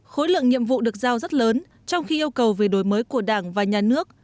khối lượng nhiệm vụ được giao rất lớn trong khi yêu cầu về đổi mới của đảng và nhà nước